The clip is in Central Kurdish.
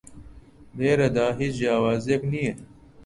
لێرەدا هیچ جیاوازییەک نییە